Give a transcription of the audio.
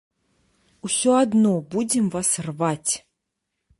Усё адно будзем вас рваць!